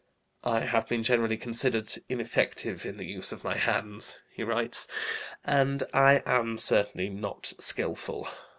"I have been generally considered ineffective in the use of my hands," he writes, "and I am certainly not skillful.